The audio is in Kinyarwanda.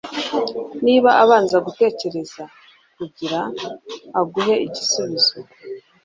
niba abanza gutekereza kugira aguhe igisubizo